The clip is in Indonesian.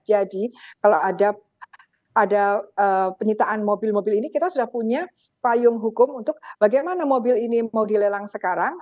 jadi kalau ada penyitaan mobil mobil ini kita sudah punya payung hukum untuk bagaimana mobil ini mau dilelang sekarang